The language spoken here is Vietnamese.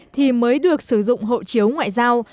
thì mới được sử dụng hậu chiếu ngoại giao